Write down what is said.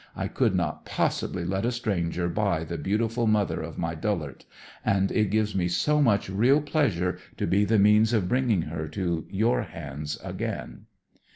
I could not possibly let a stranger buy the beautiful mother of my Dhulert, and it gives me so much real pleasure to be the means of bringing her to your hands again."